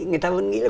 người ta vẫn nghĩ là